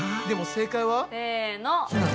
でも正解は？せの！